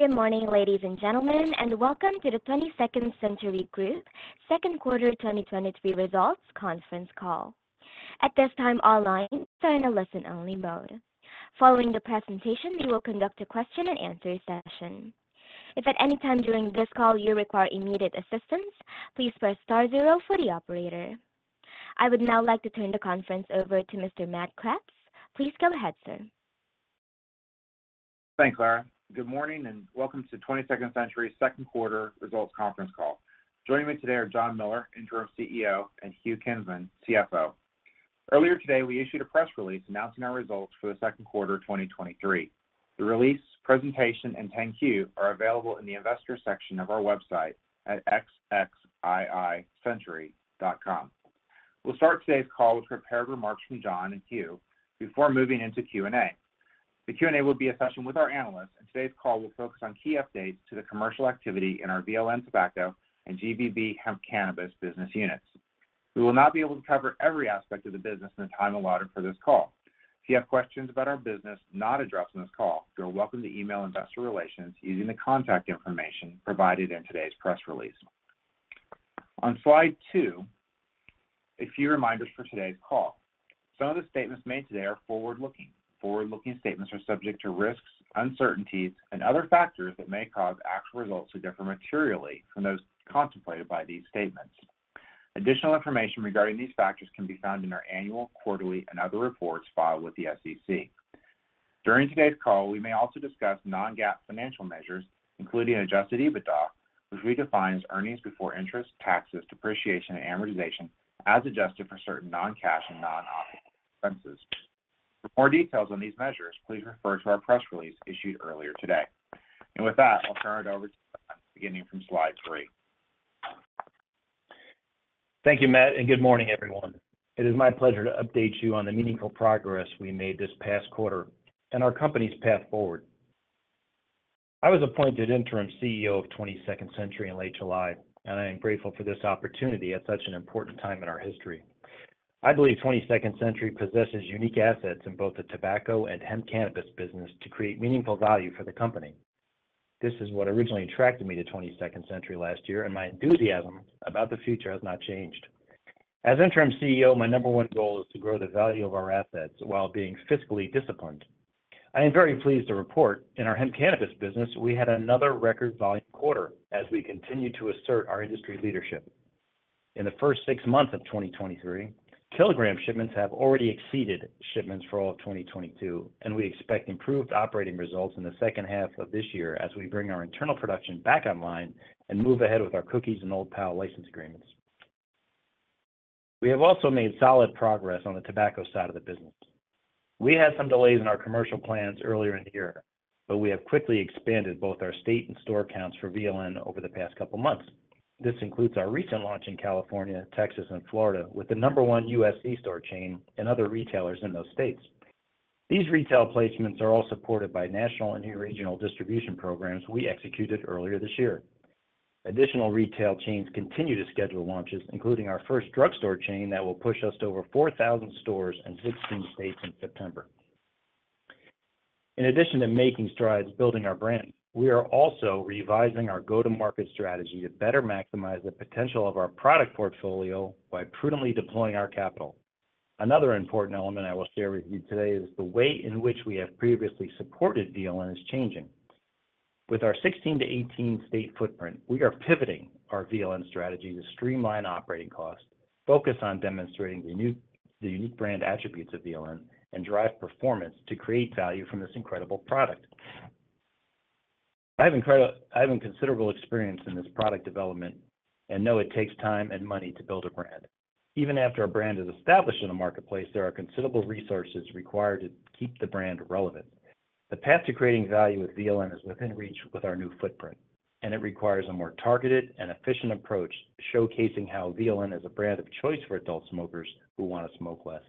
Good morning, ladies and gentlemen, and welcome to the 22nd Century Group Second Quarter 2023 Results Conference Call. At this time, all lines are in a listen-only mode. Following the presentation, we will conduct a question-and-answer session. If at any time during this call you require immediate assistance, please press star zero for the operator. I would now like to turn the conference over to Mr. Matt Kreps. Please go ahead, sir. Thanks, Clara. Good morning, welcome to 22nd Century second quarter results conference call. Joining me today are John Miller, Interim CEO, and Hugh Kinsman, CFO. Earlier today, we issued a press release announcing our results for the second quarter of 2023. The release, presentation, and 10-Q are available in the Investors section of our website at xxiicentury.com. We'll start today's call with prepared remarks from John and Hugh before moving into Q&A. The Q&A will be a session with our analysts, today's call will focus on key updates to the commercial activity in our VLN tobacco and GVB hemp cannabis business units. We will not be able to cover every aspect of the business in the time allotted for this call. If you have questions about our business not addressed on this call, you're welcome to email Investor Relations using the contact information provided in today's press release. On Slide two, a few reminders for today's call. Some of the statements made today are forward-looking. Forward-looking statements are subject to risks, uncertainties, and other factors that may cause actual results to differ materially from those contemplated by these statements. Additional information regarding these factors can be found in our annual, quarterly, and other reports filed with the SEC. During today's call, we may also discuss non-GAAP financial measures, including Adjusted EBITDA, which redefines earnings before interest, taxes, depreciation, and amortization, as adjusted for certain non-cash and non-operating expenses. For more details on these measures, please refer to our press release issued earlier today. With that, I'll turn it over to beginning from Slide three. Thank you, Matt. Good morning, everyone. It is my pleasure to update you on the meaningful progress we made this past quarter and our company's path forward. I was appointed Interim CEO of 22nd Century in late July, and I am grateful for this opportunity at such an important time in our history. I believe 22nd Century possesses unique assets in both the tobacco and hemp cannabis business to create meaningful value for the company. This is what originally attracted me to 22nd Century last year, and my enthusiasm about the future has not changed. As Interim CEO, my number one goal is to grow the value of our assets while being fiscally disciplined. I am very pleased to report in our hemp cannabis business, we had another record volume quarter as we continue to assert our industry leadership. In the first six months of 2023, kilogram shipments have already exceeded shipments for all of 2022. We expect improved operating results in the second half of this year as we bring our internal production back online and move ahead with our Cookies and Old Pal license agreements. We have also made solid progress on the tobacco side of the business. We had some delays in our commercial plans earlier in the year. We have quickly expanded both our state and store counts for VLN over the past couple of months. This includes our recent launch in California, Texas, and Florida, with the number 1 U.S. C-store chain and other retailers in those states. These retail placements are all supported by national and regional distribution programs we executed earlier this year. Additional retail chains continue to schedule launches, including our first drugstore chain that will push us to over 4,000 stores in 16 states in September. In addition to making strides building our brand, we are also revising our go-to-market strategy to better maximize the potential of our product portfolio by prudently deploying our capital. Another important element I will share with you today is the way in which we have previously supported VLN is changing. With our 16-18 state footprint, we are pivoting our VLN strategy to streamline operating costs, focus on demonstrating the unique brand attributes of VLN, and drive performance to create value from this incredible product. I have considerable experience in this product development and know it takes time and money to build a brand. Even after a brand is established in the marketplace, there are considerable resources required to keep the brand relevant. The path to creating value with VLN is within reach with our new footprint, and it requires a more targeted and efficient approach, showcasing how VLN is a brand of choice for adult smokers who want to smoke less.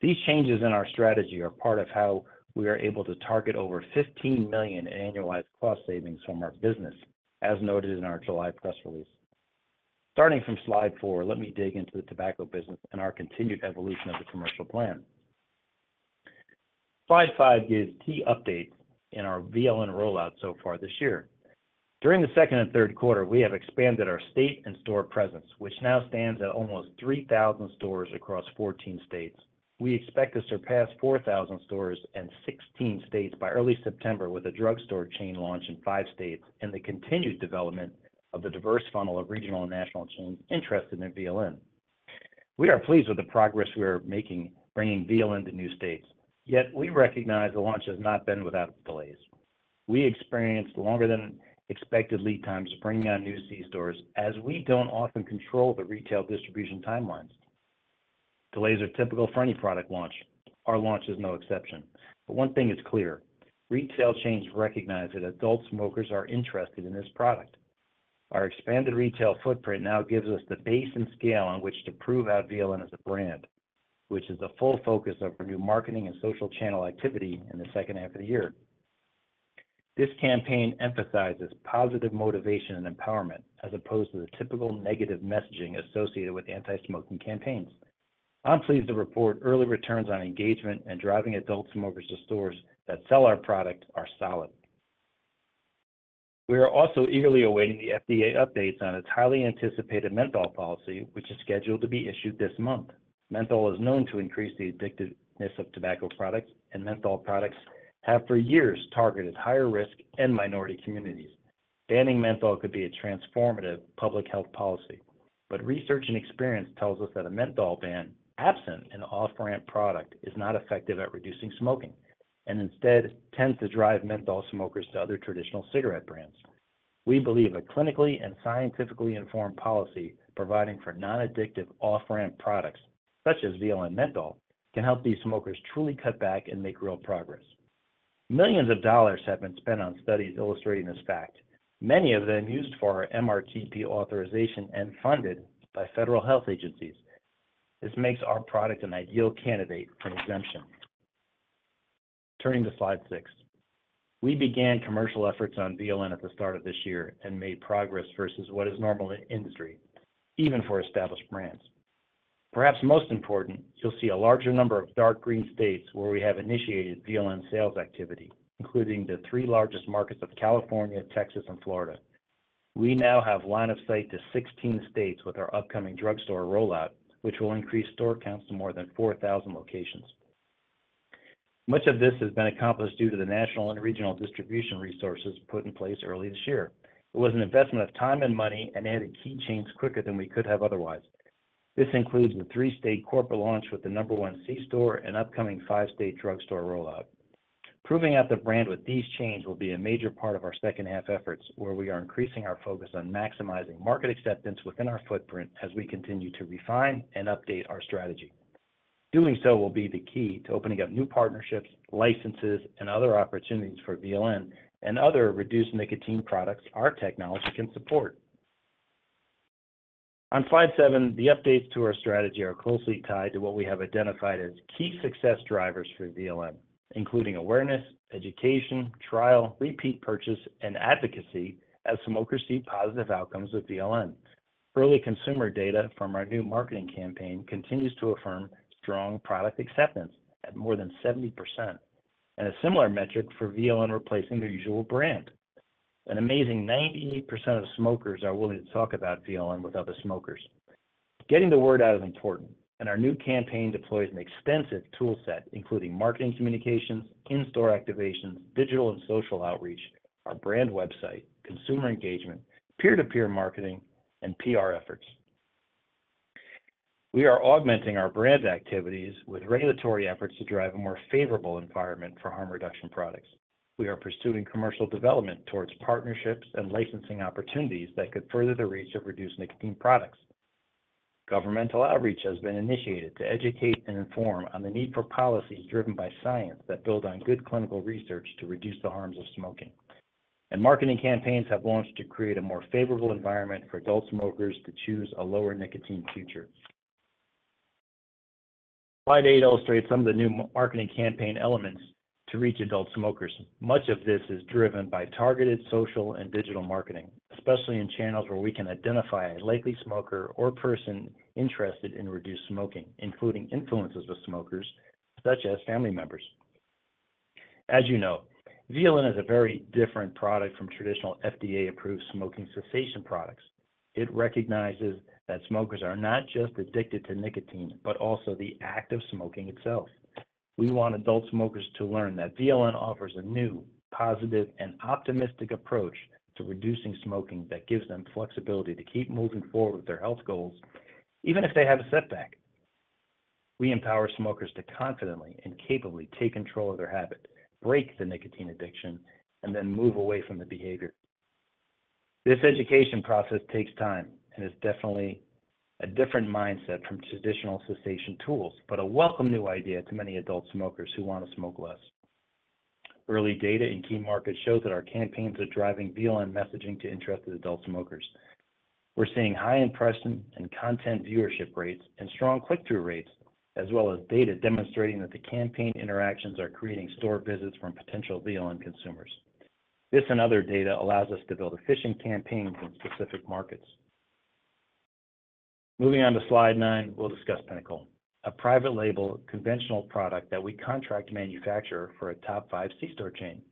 These changes in our strategy are part of how we are able to target over $15 million in annualized cost savings from our business, as noted in our July press release. Starting from Slide 4, let me dig into the tobacco business and our continued evolution of the commercial plan. Slide 5 gives key updates in our VLN rollout so far this year. During the second and third quarter, we have expanded our state and store presence, which now stands at almost 3,000 stores across 14 states. We expect to surpass 4,000 stores and 16 states by early September, with a drugstore chain launch in 5 states and the continued development of the diverse funnel of regional and national chains interested in VLN. We are pleased with the progress we are making, bringing VLN to new states, yet we recognize the launch has not been without delays. We experienced longer than expected lead times bringing on new C-stores as we don't often control the retail distribution timelines. Delays are typical for any product launch. Our launch is no exception, but one thing is clear: retail chains recognize that adult smokers are interested in this product. Our expanded retail footprint now gives us the base and scale on which to prove out VLN as a brand, which is the full focus of our new marketing and social channel activity in the second half of the year. This campaign emphasizes positive motivation and empowerment, as opposed to the typical negative messaging associated with anti-smoking campaigns. I'm pleased to report early returns on engagement and driving adult smokers to stores that sell our product are solid. We are also eagerly awaiting the FDA updates on its highly anticipated menthol policy, which is scheduled to be issued this month. Menthol is known to increase the addictiveness of tobacco products, and menthol products have for years targeted higher risk and minority communities. Banning menthol could be a transformative public health policy, but research and experience tells us that a menthol ban, absent an off-ramp product, is not effective at reducing smoking, and instead tends to drive menthol smokers to other traditional cigarette brands. We believe a clinically and scientifically informed policy providing for non-addictive off-ramp products, such as VLN menthol, can help these smokers truly cut back and make real progress. $ millions have been spent on studies illustrating this fact, many of them used for our MRTP authorization and funded by federal health agencies. This makes our product an ideal candidate for an exemption. Turning to Slide six. We began commercial efforts on VLN at the start of this year. Made progress versus what is normal in industry, even for established brands. Perhaps most important, you'll see a larger number of dark green states where we have initiated VLN sales activity, including the three largest markets of California, Texas, and Florida. We now have line of sight to 16 states with our upcoming drugstore rollout, which will increase store counts to more than 4,000 locations. Much of this has been accomplished due to the national and regional distribution resources put in place early this year. It was an investment of time and money and added key chains quicker than we could have otherwise. This includes the three-state corporate launch with the number one C-store and upcoming five-state drugstore rollout. Proving out the brand with these chains will be a major part of our second half efforts, where we are increasing our focus on maximizing market acceptance within our footprint as we continue to refine and update our strategy. Doing so will be the key to opening up new partnerships, licenses, and other opportunities for VLN and other reduced nicotine products our technology can support. On Slide seven, the updates to our strategy are closely tied to what we have identified as key success drivers for VLN, including awareness, education, trial, repeat purchase, and advocacy as smokers see positive outcomes with VLN. Early consumer data from our new marketing campaign continues to affirm strong product acceptance at more than 70%, and a similar metric for VLN replacing their usual brand. An amazing 98% of smokers are willing to talk about VLN with other smokers. Getting the word out is important. Our new campaign deploys an extensive tool set, including marketing communications, in-store activations, digital and social outreach, our brand website, consumer engagement, peer-to-peer marketing, and PR efforts. We are augmenting our brand activities with regulatory efforts to drive a more favorable environment for harm reduction products. We are pursuing commercial development towards partnerships and licensing opportunities that could further the reach of reduced nicotine products. Governmental outreach has been initiated to educate and inform on the need for policies driven by science that build on good clinical research to reduce the harms of smoking. Marketing campaigns have launched to create a more favorable environment for adult smokers to choose a lower nicotine future. Slide 8 illustrates some of the new marketing campaign elements to reach adult smokers. Much of this is driven by targeted social and digital marketing, especially in channels where we can identify a likely smoker or person interested in reduced smoking, including influencers of smokers, such as family members. As you know, VLN is a very different product from traditional FDA-approved smoking cessation products. It recognizes that smokers are not just addicted to nicotine, but also the act of smoking itself. We want adult smokers to learn that VLN offers a new, positive, and optimistic approach to reducing smoking that gives them flexibility to keep moving forward with their health goals, even if they have a setback. We empower smokers to confidently and capably take control of their habit, break the nicotine addiction, and then move away from the behavior. This education process takes time and is definitely a different mindset from traditional cessation tools, but a welcome new idea to many adult smokers who want to smoke less. Early data in key markets show that our campaigns are driving VLN messaging to interested adult smokers. We're seeing high impression and content viewership rates and strong click-through rates, as well as data demonstrating that the campaign interactions are creating store visits from potential VLN consumers. This and other data allows us to build efficient campaigns in specific markets. Moving on to Slide nine, we'll discuss Pinnacle, a private label conventional product that we contract manufacture for a top-five C-store chain.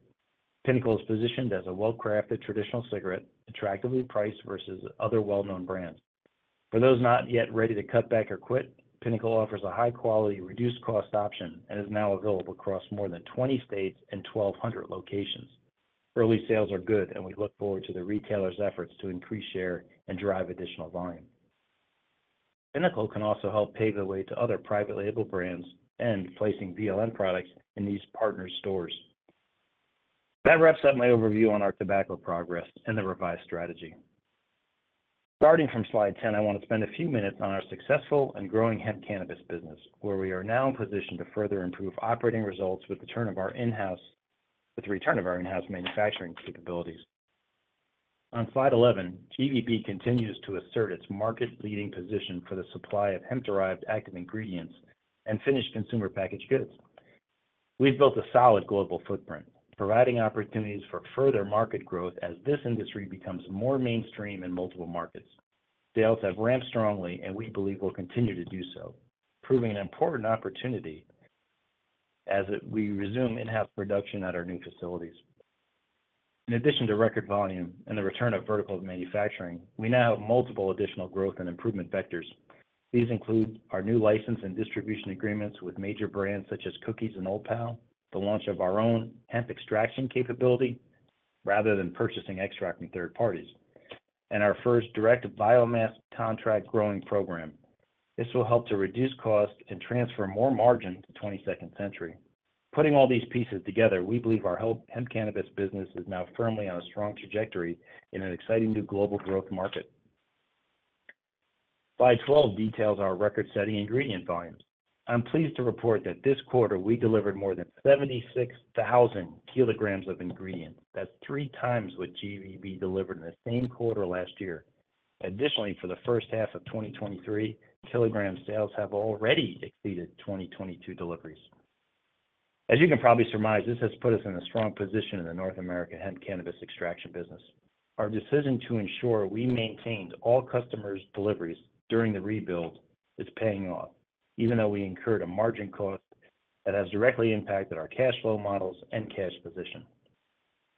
Pinnacle is positioned as a well-crafted traditional cigarette, attractively priced versus other well-known brands. For those not yet ready to cut back or quit, Pinnacle offers a high-quality, reduced cost option and is now available across more than 20 states and 1,200 locations. Early sales are good, and we look forward to the retailers' efforts to increase share and drive additional volume. Pinnacle can also help pave the way to other private label brands and placing VLN products in these partner stores. That wraps up my overview on our tobacco progress and the revised strategy. Starting from Slide 10, I want to spend a few minutes on our successful and growing hemp cannabis business, where we are now in position to further improve operating results with the return of our in-house manufacturing capabilities. On Slide 11, GVB continues to assert its market-leading position for the supply of hemp-derived active ingredients and finished consumer packaged goods. We've built a solid global footprint, providing opportunities for further market growth as this industry becomes more mainstream in multiple markets. Sales have ramped strongly, and we believe will continue to do so, proving an important opportunity as we resume in-house production at our new facilities. In addition to record volume and the return of vertical manufacturing, we now have multiple additional growth and improvement vectors. These include our new license and distribution agreements with major brands such as Cookies and Old Pal, the launch of our own hemp extraction capability, rather than purchasing extract from third parties, and our first direct biomass contract growing program. This will help to reduce costs and transfer more margin to 22nd Century. Putting all these pieces together, we believe our hemp cannabis business is now firmly on a strong trajectory in an exciting new global growth market. Slide 12 details our record-setting ingredient volumes. I'm pleased to report that this quarter, we delivered more than 76,000 kilograms of ingredients. That's 3 times what GVB delivered in the same quarter last year. Additionally, for the first half of 2023, kilogram sales have already exceeded 2022 deliveries. As you can probably surmise, this has put us in a strong position in the North American hemp cannabis extraction business. Our decision to ensure we maintained all customers' deliveries during the rebuild is paying off, even though we incurred a margin cost that has directly impacted our cash flow models and cash position.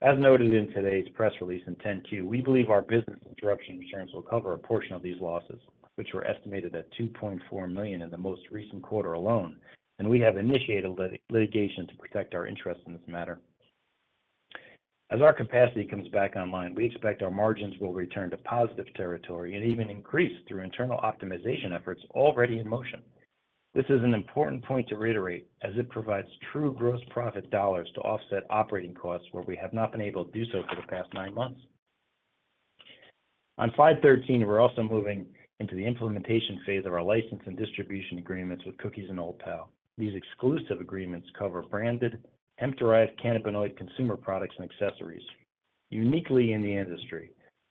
As noted in today's press release in ten Q, we believe our business interruption insurance will cover a portion of these losses, which were estimated at $2.4 million in the most recent quarter alone. We have initiated litigation to protect our interest in this matter. As our capacity comes back online, we expect our margins will return to positive territory and even increase through internal optimization efforts already in motion. This is an important point to reiterate, as it provides true gross profit dollars to offset operating costs where we have not been able to do so for the past 9 months. On Slide 13, we're also moving into the implementation phase of our license and distribution agreements with Cookies and Old Pal. These exclusive agreements cover branded, hemp-derived cannabinoid consumer products and accessories. Uniquely in the industry,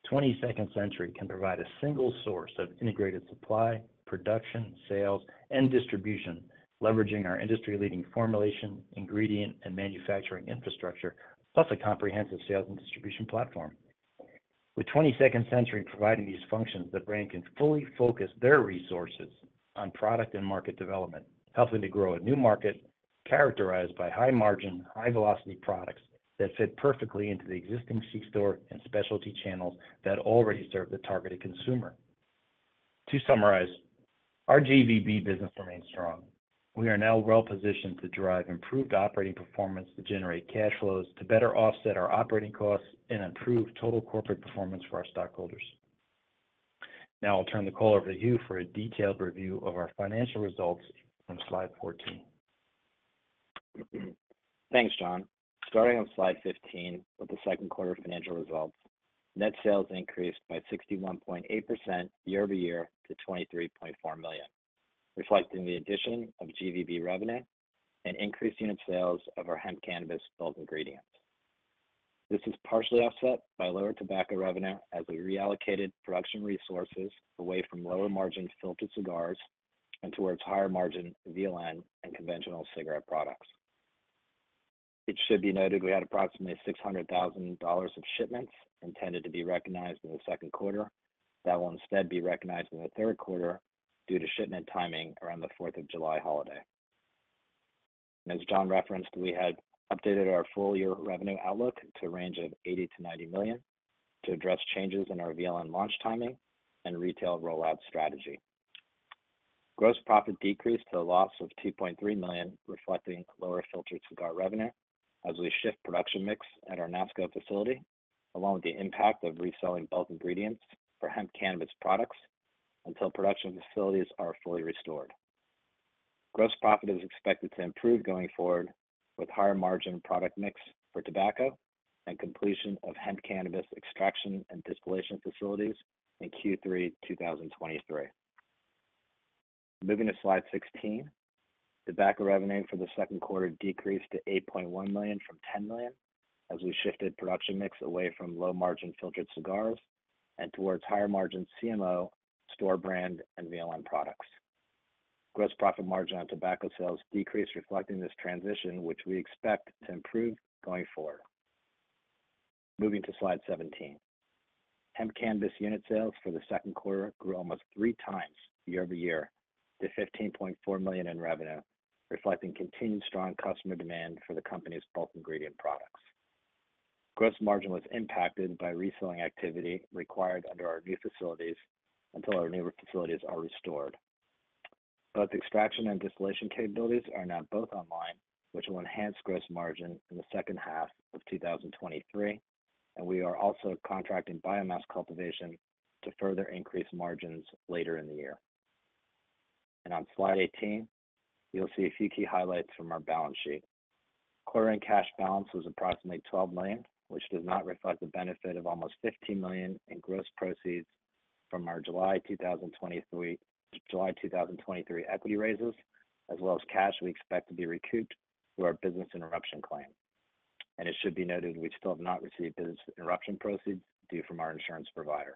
22nd Century can provide a single source of integrated supply, production, sales, and distribution, leveraging our industry-leading formulation, ingredient, and manufacturing infrastructure, plus a comprehensive sales and distribution platform. With 22nd Century providing these functions, the brand can fully focus their resources on product and market development, helping to grow a new market characterized by high margin, high velocity products that fit perfectly into the existing C-store and specialty channels that already serve the targeted consumer. To summarize, our GVB business remains strong. We are now well positioned to drive improved operating performance to generate cash flows, to better offset our operating costs, and improve total corporate performance for our stockholders. I'll turn the call over to Hugh for a detailed review of our financial results on Slide 14. Thanks, John. Starting on Slide 15, with the second quarter financial results, net sales increased by 61.8% year-over-year to $23.4 million, reflecting the addition of GVB revenue and increased unit sales of our hemp cannabis bulk ingredients. This is partially offset by lower tobacco revenue as we reallocated production resources away from lower-margin filtered cigars and towards higher-margin VLN and conventional cigarette products. It should be noted we had approximately $600,000 of shipments intended to be recognized in the second quarter. That will instead be recognized in the third quarter due to shipment timing around the Fourth of July holiday. As John referenced, we had updated our full year revenue outlook to a range of $80 million-$90 million to address changes in our VLN launch timing and retail rollout strategy. Gross profit decreased to a loss of $2.3 million, reflecting lower filtered cigar revenue as we shift production mix at our NASCO facility, along with the impact of reselling bulk ingredients for hemp cannabis products until production facilities are fully restored. Gross profit is expected to improve going forward with higher-margin product mix for tobacco and completion of hemp cannabis extraction and distillation facilities in Q3 2023. Moving to Slide 16, tobacco revenue for the second quarter decreased to $8.1 million from $10 million as we shifted production mix away from low-margin filtered cigars and towards higher-margin CMO, store brand, and VLN products. Gross profit margin on tobacco sales decreased, reflecting this transition, which we expect to improve going forward. Moving to Slide 17. Hemp cannabis unit sales for the second quarter grew almost three times year-over-year to $15.4 million in revenue, reflecting continued strong customer demand for the company's bulk ingredient products. Gross margin was impacted by reselling activity required under our new facilities until our newer facilities are restored. Both extraction and distillation capabilities are now both online, which will enhance gross margin in the second half of 2023. We are also contracting biomass cultivation to further increase margins later in the year. On Slide 18, you'll see a few key highlights from our balance sheet. Quartering cash balance was approximately $12 million, which does not reflect the benefit of almost $15 million in gross proceeds from our July 2023 equity raises, as well as cash we expect to be recouped through our business interruption claim. It should be noted, we still have not received business interruption proceeds due from our insurance provider.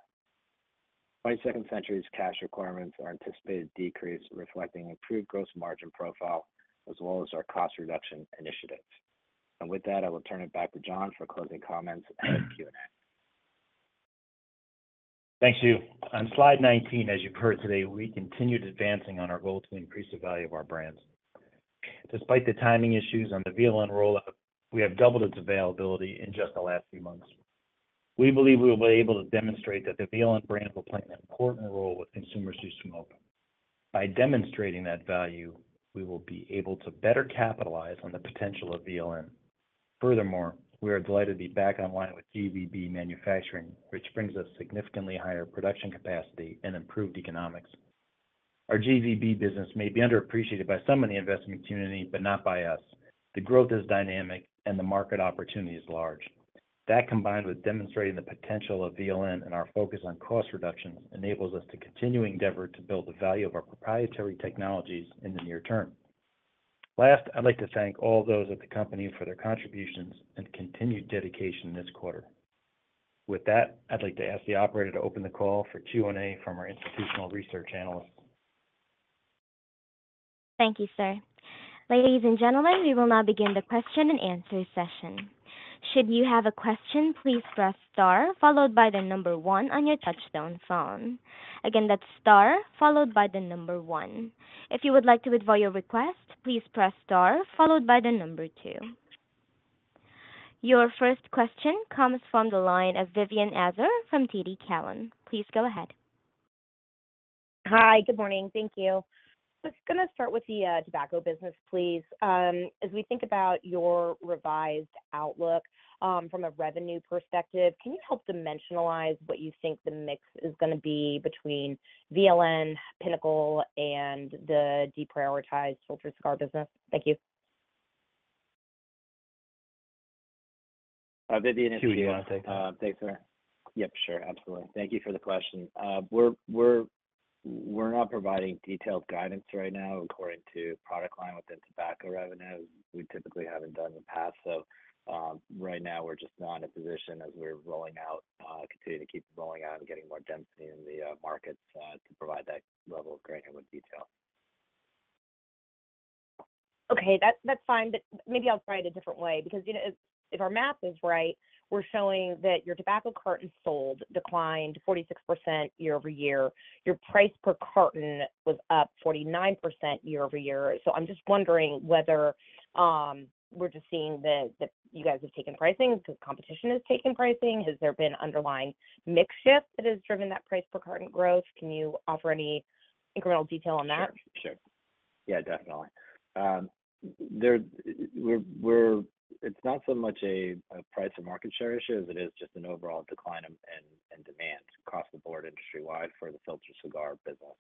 22nd Century's cash requirements are anticipated decrease, reflecting improved gross margin profile, as well as our cost reduction initiatives. With that, I will turn it back to John for closing comments and Q&A. Thank you. On Slide 19, as you've heard today, we continued advancing on our goal to increase the value of our brands. Despite the timing issues on the VLN rollout, we have doubled its availability in just the last few months. We believe we will be able to demonstrate that the VLN brand will play an important role with consumers who smoke. By demonstrating that value, we will be able to better capitalize on the potential of VLN. Furthermore, we are delighted to be back online with GVB manufacturing, which brings us significantly higher production capacity and improved economics. Our GVB business may be underappreciated by some in the investment community, but not by us. The growth is dynamic, and the market opportunity is large. That, combined with demonstrating the potential of VLN and our focus on cost reduction, enables us to continue to endeavor to build the value of our proprietary technologies in the near term. Last, I'd like to thank all those at the company for their contributions and continued dedication this quarter. With that, I'd like to ask the operator to open the call for Q&A from our institutional research analysts. Thank you, sir. Ladies and gentlemen, we will now begin the question and answer session. Should you have a question, please press star followed by the number one on your touchtone phone. Again, that's star followed by the number one. If you would like to withdraw your request, please press star followed by the number two. Your first question comes from the line of Vivien Azer from TD Cowen. Please go ahead. Hi, good morning. Thank you. Just gonna start with the tobacco business, please. As we think about your revised outlook, from a revenue perspective, can you help dimensionalize what you think the mix is gonna be between VLN, Pinnacle, and the deprioritized filter cigar business? Thank you. Vivien, thanks, sir. Yep, sure. Absolutely. Thank you for the question. We're, we're, we're not providing detailed guidance right now according to product line within tobacco revenues. We typically haven't done in the past. Right now, we're just not in a position as we're rolling out, continuing to keep rolling out and getting more density in the markets, to provide that level of granular detail. Okay, that's, that's fine, but maybe I'll try it a different way, because, you know, if, if our math is right, we're showing that your tobacco carton sold declined 46% year-over-year. Your price per carton was up 49% year-over-year. I'm just wondering whether we're just seeing that, that you guys have taken pricing, because competition has taken pricing. Has there been underlying mix shift that has driven that price per carton growth? Can you offer any incremental detail on that? Sure. Sure. Yeah, definitely. there, it's not so much a, a price or market share issue as it is just an overall decline in, in, in demand across the board, industry-wide for the Filtered cigar business.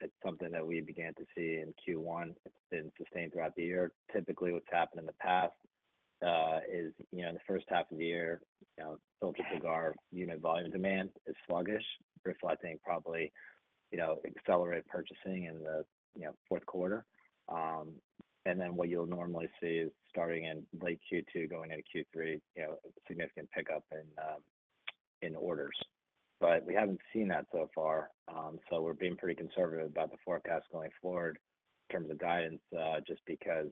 It's something that we began to see in Q1. It's been sustained throughout the year. Typically, what's happened in the past, is, you know, in the first half of the year, you know, Filtered cigar unit volume demand is sluggish, reflecting probably, you know, accelerated purchasing in the, you know, fourth quarter. What you'll normally see is starting in late Q2, going into Q3, you know, a significant pickup in, in orders. We haven't seen that so far, so we're being pretty conservative about the forecast going forward in terms of guidance, just because,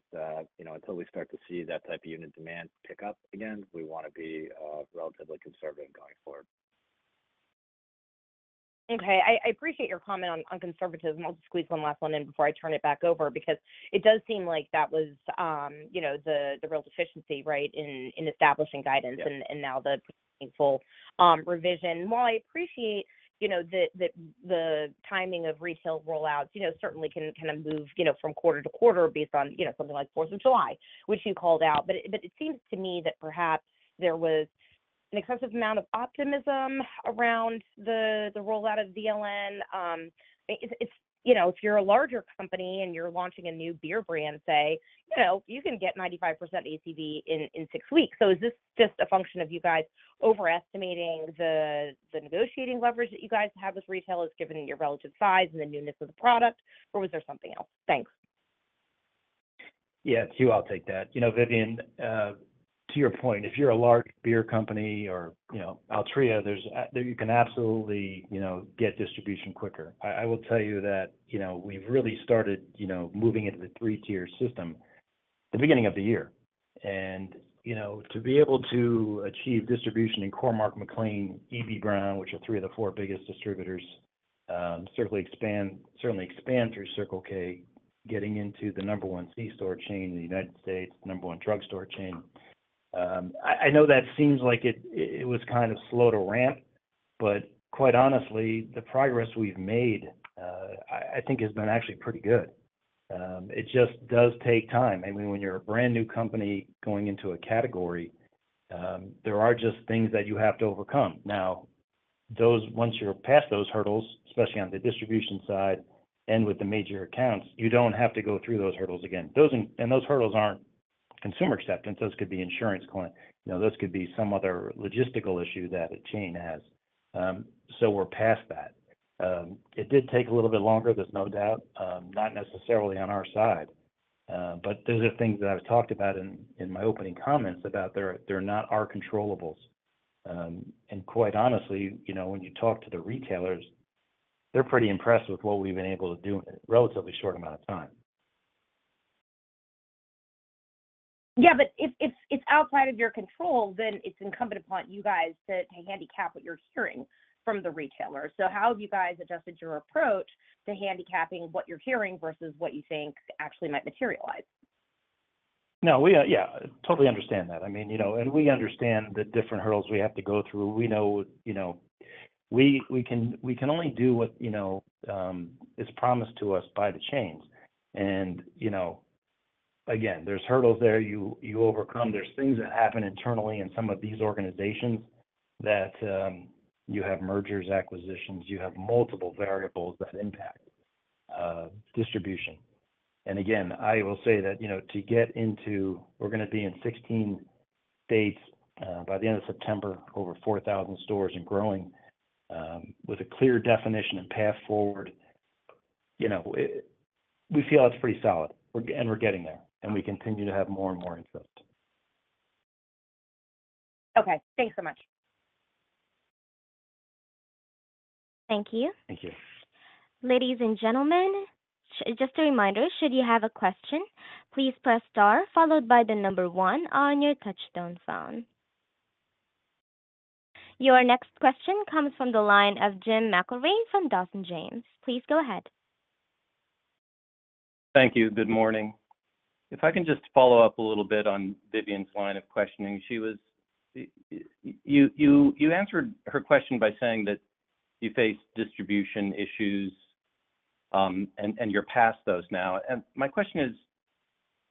you know, until we start to see that type of unit demand pick up again, we wanna be relatively conservative going forward. Okay. I, I appreciate your comment on, on conservatism. I'll just squeeze one last one in before I turn it back over, because it does seem like that was, you know, the, the real deficiency, right, in, in establishing guidance. Yeah And, now the full revision. While I appreciate, you know, the, the, the timing of retail rollouts, you know, certainly can kind of move, you know, from quarter to quarter based on, you know, something like Fourth of July, which you called out. But it seems to me that perhaps there was an excessive amount of optimism around the rollout of VLN. If, if, you know, if you're a larger company and you're launching a new beer brand, say, you know, you can get 95% ACV in, in six weeks. Is this just a function of you guys overestimating the negotiating leverage that you guys have with retailers, given your relative size and the newness of the product, or was there something else? Thanks. Yeah, Hugh, I'll take that. You know, Vivien, to your point, if you're a large beer company or, you know, Altria, there's, you can absolutely, you know, get distribution quicker. I, I will tell you that, you know, we've really started, you know, moving into the three-tier system the beginning of the year. You know, to be able to achieve distribution in CoreMark, McLane, Eby-Brown, which are 3 of the 4 biggest distributors, certainly expand through Circle K, getting into the number 1 C-store chain in the United States, number 1 drugstore chain. I, I know that seems like it, it was kind of slow to ramp, but quite honestly, the progress we've made, I, I think has been actually pretty good. It just does take time. I mean, when you're a brand-new company going into a category, there are just things that you have to overcome. Once you're past those hurdles, especially on the distribution side and with the major accounts, you don't have to go through those hurdles again. Those hurdles aren't consumer acceptance. Those could be insurance client. You know, those could be some other logistical issue that a chain has. We're past that. It did take a little bit longer, there's no doubt, not necessarily on our side. Those are things that I've talked about in, in my opening comments about they're, they're not our controllables. Quite honestly, you know, when you talk to the retailers, they're pretty impressed with what we've been able to do in a relatively short amount of time. Yeah, if, if, if it's outside of your control, then it's incumbent upon you guys to handicap what you're hearing from the retailers. How have you guys adjusted your approach to handicapping what you're hearing versus what you think actually might materialize? No, we... Yeah, totally understand that. I mean, you know, we understand the different hurdles we have to go through. We know, you know, we, we can, we can only do what, you know, is promised to us by the chains. You know, again, there's hurdles there you, you overcome. There's things that happen internally in some of these organizations that, you have mergers, acquisitions, you have multiple variables that impact distribution. Again, I will say that, you know, to get into-- we're gonna be in 16 states by the end of September, over 4,000 stores and growing, with a clear definition and path forward, you know, it- we feel it's pretty solid. We're getting there. We continue to have more and more interest. Okay, thanks so much. Thank you. Thank you. Ladies and gentlemen, just a reminder, should you have a question, please press star followed by the number one on your touchtone phone. Your next question comes from the line of James McIlree from Dawson James. Please go ahead. Thank you. Good morning. If I can just follow up a little bit on Vivien's line of questioning. She was, you, you, you answered her question by saying that you faced distribution issues, and, and you're past those now. My question is,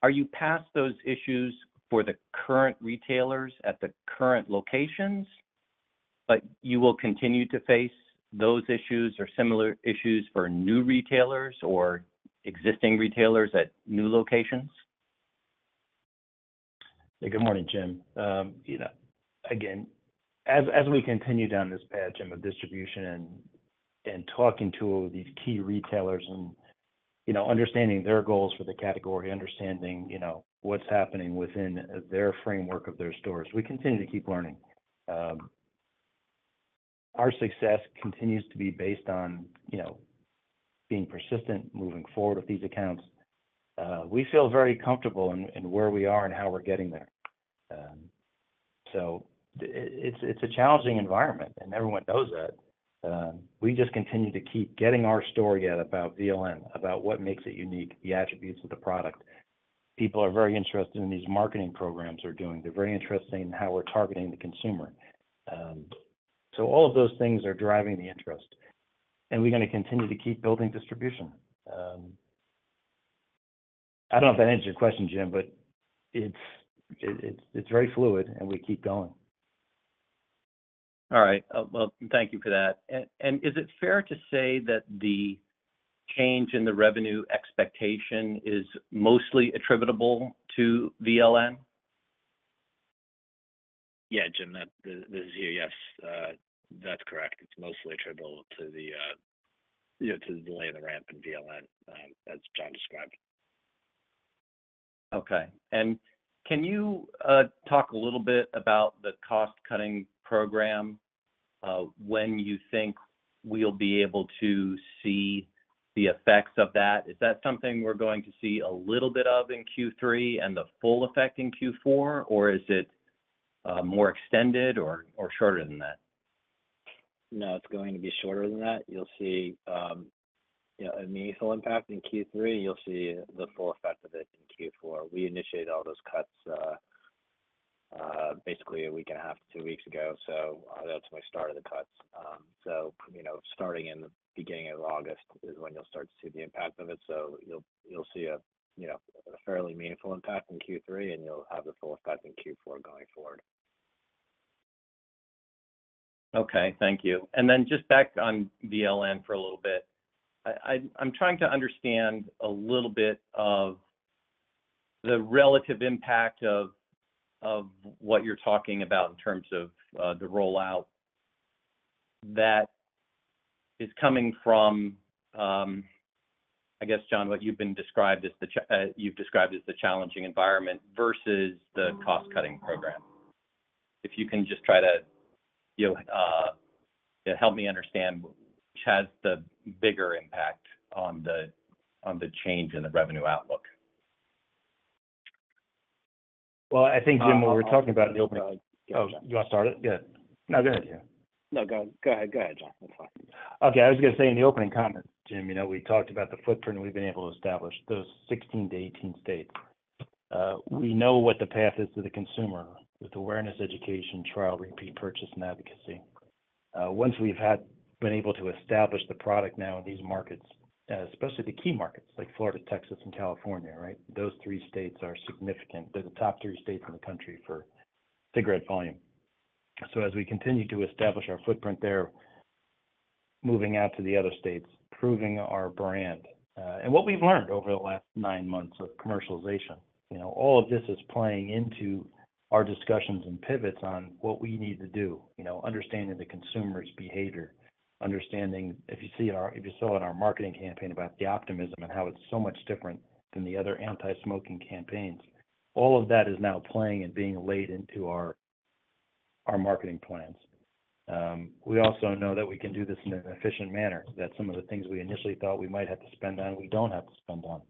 are you past those issues for the current retailers at the current locations, but you will continue to face those issues or similar issues for new retailers or existing retailers at new locations? Hey, good morning, Jim. You know, again, as, as we continue down this path, Jim, of distribution and, and talking to these key retailers and, you know, understanding their goals for the category, understanding, you know, what's happening within their framework of their stores, we continue to keep learning. Our success continues to be based on, you know, being persistent, moving forward with these accounts. We feel very comfortable in, in where we are and how we're getting there. It's, it's a challenging environment, and everyone knows that. We just continue to keep getting our story out about VLN, about what makes it unique, the attributes of the product. People are very interested in these marketing programs we're doing. They're very interested in how we're targeting the consumer. All of those things are driving the interest, and we're gonna continue to keep building distribution. I don't know if that answers your question, Jim, it's very fluid, and we keep going. All right. well, thank you for that. is it fair to say that the change in the revenue expectation is mostly attributable to VLN? Yeah, Jim, Yes, that's correct. It's mostly attributable to the, you know, to the delay in the ramp in VLN, as John described. Okay. Can you talk a little bit about the cost-cutting program, when you think we'll be able to see the effects of that? Is that something we're going to see a little bit of in Q3 and the full effect in Q4, or is it more extended or shorter than that? No, it's going to be shorter than that. You'll see, you know, a meaningful impact in Q3, you'll see the full effect of it in Q4. We initiated all those cuts, basically a week and a half to two weeks ago. That's when we started the cuts. You know, starting in the beginning of August is when you'll start to see the impact of it. You'll, you'll see a, you know, a fairly meaningful impact in Q3, and you'll have the full effect in Q4 going forward. Okay, thank you. Just back on VLN for a little bit. I, I, I'm trying to understand a little bit of the relative impact of, of what you're talking about in terms of, the rollout that is coming from, I guess, John, what you've been described as the, you've described as the challenging environment versus the cost-cutting program. If you can just try to, you know, help me understand which has the bigger impact on the, on the change in the revenue outlook? Well, I think, Jim, when we were talking about the opening- Oh, you want to start it? Yeah. No, go ahead. No, go, go ahead, go ahead, John. That's fine. Okay, I was gonna say in the opening comments, Jim, you know, we talked about the footprint we've been able to establish, those 16-18 states. We know what the path is to the consumer with awareness, education, trial, repeat purchase, and advocacy. Once we've been able to establish the product now in these markets, especially the key markets like Florida, Texas, and California, right? Those three states are significant. They're the top three states in the country for cigarette volume. As we continue to establish our footprint there moving out to the other states, proving our brand. What we've learned over the last 9 months of commercialization. You know, all of this is playing into our discussions and pivots on what we need to do. You know, understanding the consumer's behavior, understanding- if you saw in our marketing campaign about the optimism and how it's so much different than the other anti-smoking campaigns, all of that is now playing and being laid into our, our marketing plans. We also know that we can do this in an efficient manner, that some of the things we initially thought we might have to spend on, we don't have to spend on.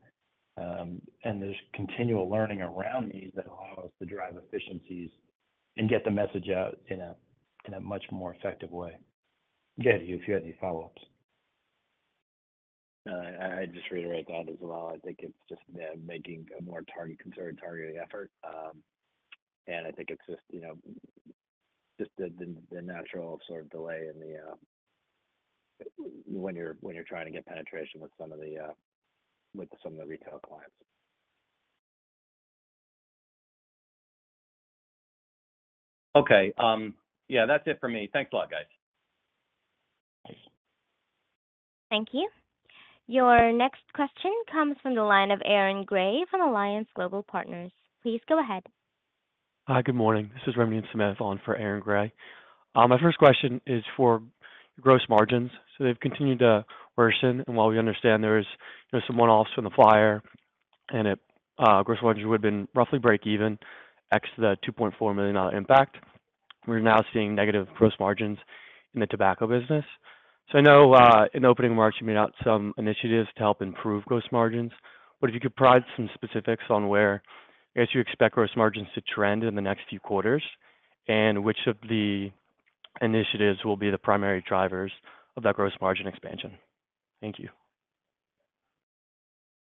There's continual learning around these that allow us to drive efficiencies and get the message out in a, in a much more effective way. Yeah, if you had any follow-ups. I'd just reiterate that as well. I think it's just, yeah, making a more target- concerted targeting effort. And I think it's just, you know, just the, the, the natural sort of delay in the when you're, when you're trying to get penetration with some of the, with some of the retail clients. Okay. Yeah, that's it for me. Thanks a lot, guys. Thank you. Your next question comes from the line of Aaron Grey from Alliance Global Partners. Please go ahead. Hi, good morning. This is Remington Smith for Aaron Grey. My first question is for gross margins. They've continued to worsen, and while we understand there is, you know, some one-offs from the fire, and it, gross margins would have been roughly breakeven, ex the $2.4 million impact, we're now seeing negative gross margins in the tobacco business. I know, in opening remarks, you made out some initiatives to help improve gross margins, but if you could provide some specifics on where, I guess, you expect gross margins to trend in the next few quarters, and which of the initiatives will be the primary drivers of that gross margin expansion? Thank you.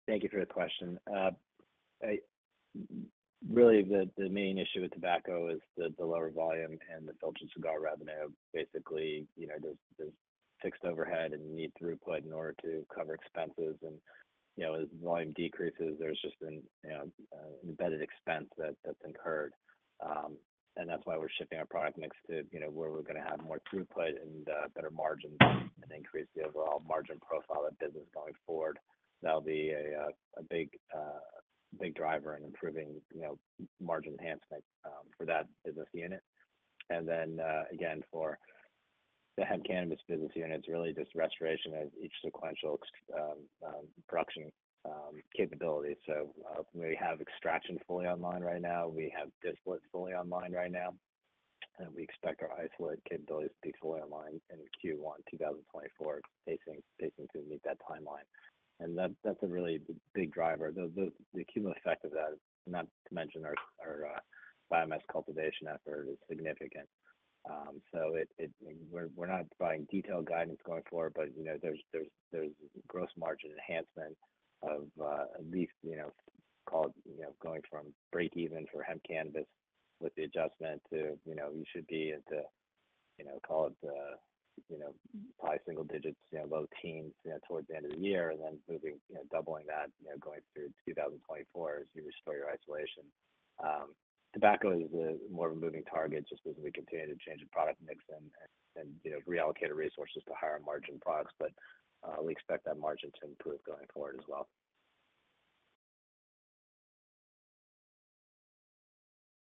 Thank you for the question. Really, the, the main issue with tobacco is the, the lower volume and the filtered cigar revenue. Basically, you know, there's, there's fixed overhead and you need throughput in order to cover expenses, and, you know, as volume decreases, there's just an embedded expense that, that's incurred. That's why we're shifting our product mix to, you know, where we're going to have more throughput and better margins, and increase the overall margin profile of the business going forward. That'll be a big, big driver in improving, you know, margin enhancement, for that business unit. Then, again, for the hemp cannabis business unit, it's really just restoration of each sequential production capability. We have extraction fully online right now, we have distillate fully online right now, and we expect our isolate capability to be fully online in Q1, 2024, pacing, pacing to meet that timeline. And that, that's a really big driver. The, the, the cumulative effect of that, not to mention our, our biomass cultivation effort, is significant. So it, it... We're, we're not providing detailed guidance going forward, but, you know, there's, there's, there's gross margin enhancement of, at least, you know, called, you know, going from breakeven for hemp cannabis with the adjustment to, you know, you should be at the, you know, call it, you know, probably single digits, you know, low teens, you know, towards the end of the year. And then moving, you know, doubling that, you know, going through 2024 as you restore your isolation. tobacco is a more of a moving target, just as we continue to change the product mix and, and, and, you know, reallocate resources to higher margin products, but we expect that margin to improve going forward as well.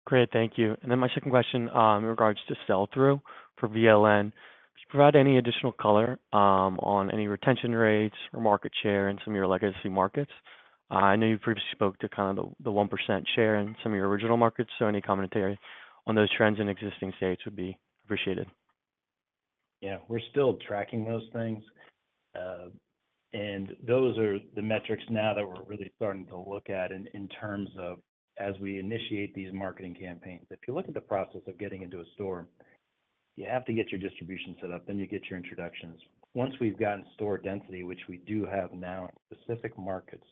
Great, thank you. My second question, in regards to sell-through for VLN. Did you provide any additional color on any retention rates or market share in some of your legacy markets? I know you previously spoke to kind of the, the 1% share in some of your original markets. Any commentary on those trends in existing states would be appreciated. Yeah, we're still tracking those things. Those are the metrics now that we're really starting to look at in, in terms of as we initiate these marketing campaigns. If you look at the process of getting into a store, you have to get your distribution set up, then you get your introductions. Once we've gotten store density, which we do have now in specific markets,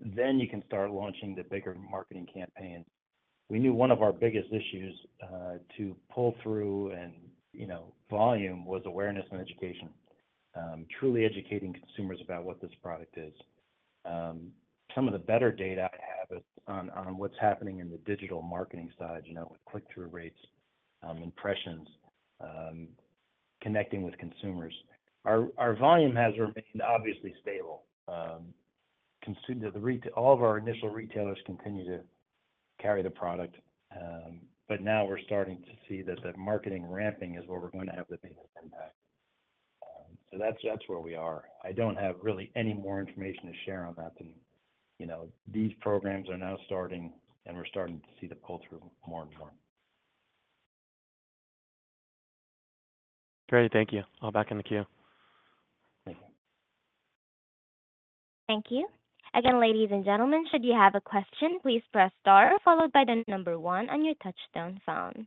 then you can start launching the bigger marketing campaign. We knew one of our biggest issues to pull through and, you know, volume was awareness and education. Truly educating consumers about what this product is. Some of the better data I have is on, on what's happening in the digital marketing side, you know, with click-through rates, impressions, connecting with consumers. Our, our volume has remained obviously stable. All of our initial retailers continue to carry the product. Now we're starting to see that the marketing ramping is where we're going to have the biggest impact. That's, that's where we are. I don't have really any more information to share on that than, you know, these programs are now starting, and we're starting to see the pull-through more and more. Great, thank you. I'll back in the queue. Thank you. Thank you. Again, ladies and gentlemen, should you have a question, please press star followed by the number one on your touchtone phone.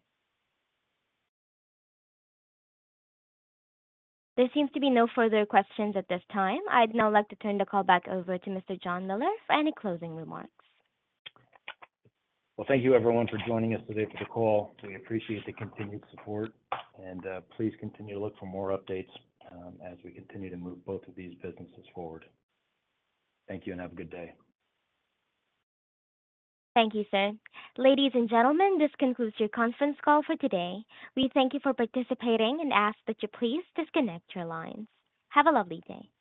There seems to be no further questions at this time. I'd now like to turn the call back over to Mr. John Miller for any closing remarks. Well, thank you everyone for joining us today for the call. We appreciate the continued support, and please continue to look for more updates, as we continue to move both of these businesses forward. Thank you, and have a good day. Thank you, sir. Ladies and gentlemen, this concludes your conference call for today. We thank you for participating and ask that you please disconnect your lines. Have a lovely day.